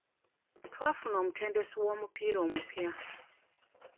Twafuna omutendesi w'omupiira omupya.